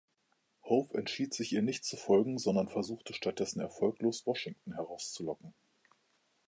Howe entschied sich, ihr nicht zu folgen, sondern versuchte stattdessen erfolglos, Washington herauszulocken.